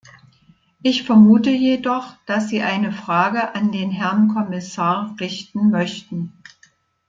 Ich vermute jedoch, dass Sie eine Frage an den Herrn Kommissar richten möchten.